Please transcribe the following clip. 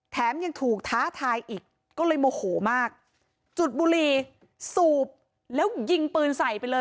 แถมยังถูกท้าทายอีกก็เลยโมโหมากจุดบุรีสูบแล้วยิงปืนใส่ไปเลย